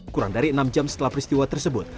kurang dari enam jam setelah peristiwa tersebut